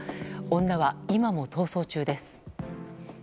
女は今も逃走中です。